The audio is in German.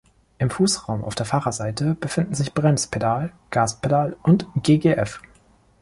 Im Fußraum auf der Fahrerseite befinden sich Bremspedal, Gaspedal und ggf.